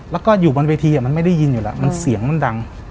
แล้วก็อยู่บนเวทีมันไม่ได้ยินอยู่แล้วมันเสียงมันดัง